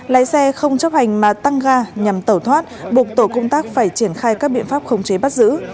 lái xe không chấp hành mà tăng ga nhằm tẩu thoát buộc tổ công tác phải triển khai các biện pháp khống chế bắt giữ